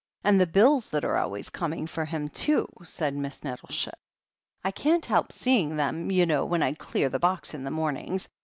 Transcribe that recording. And the bills that are always coming for him, too t" said Miss Nettleship. "I can't help seeing them, you know, when I clear the box in the mornings.